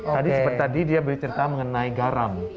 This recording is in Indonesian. tadi seperti tadi dia bercerita mengenai garam